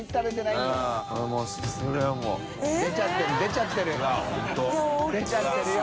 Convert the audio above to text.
出ちゃってるよ。